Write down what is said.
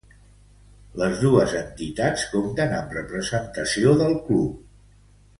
Les dos entitats compten amb representació del Club.